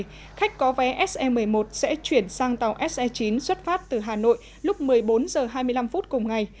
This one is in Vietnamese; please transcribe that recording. hành khách có vé se một mươi một sẽ chuyển sang tàu se chín xuất phát từ hà nội lúc một mươi bốn h hai mươi năm cùng ngày